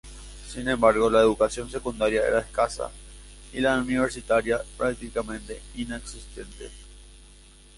Sin embargo la educación secundaria era escasa y la universitaria prácticamente inexistente.